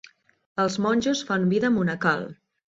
Els monjos fan vida monacal.